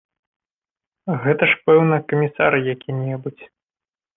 Гэта ж, пэўна, камісар які-небудзь.